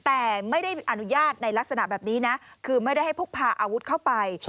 แต่ไม่ได้อนุญาตในลักษณะแบบนี้นะคือไม่ได้ให้พกพาอาวุธเข้าไป